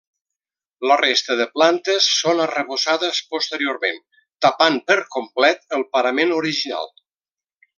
La resta de plantes són arrebossades posteriorment tapant per complet el parament original.